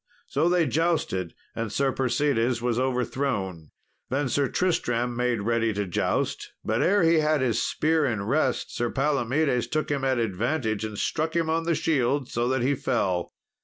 So they jousted, and Sir Persides was overthrown. Then Sir Tristram made ready to joust, but ere he had his spear in rest, Sir Palomedes took him at advantage, and struck him on the shield so that he fell.